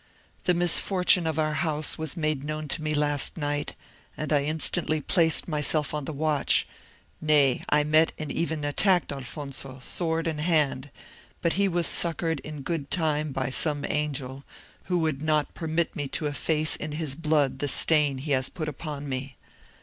"The misfortune of our house was made known to me last night, and I instantly placed myself on the watch; nay, I met and even attacked Alfonso, sword in hand; but he was succoured in good time by some angel, who would not permit me to efface in his blood the stain he has put upon me.